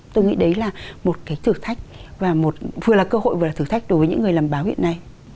tôi nghĩ đấy là một cái thử thách và vừa là cơ hội vừa là thử thách đối với những người làm báo hiện nay